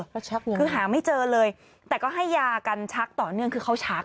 ก็ชักอยู่คือหาไม่เจอเลยแต่ก็ให้ยากันชักต่อเนื่องคือเขาชัก